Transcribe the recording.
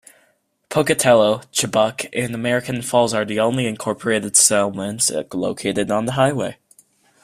Pocatello, Chubbuck and American Falls are the only incorporated settlements located on the highway.